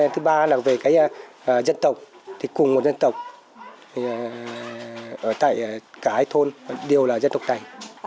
thứ ba về dân tộc cùng một dân tộc ở tại cả hai thôn đều là dân tộc tày